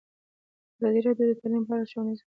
ازادي راډیو د تعلیم په اړه ښوونیز پروګرامونه خپاره کړي.